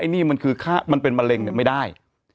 อันนี้มันเป็นมะเร็งไม่ได้